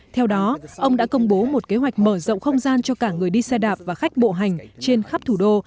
theo đó ông đã công bố một kế hoạch mở rộng không gian cho cả người đi xe đạp và khách bộ hành trên khắp thủ đô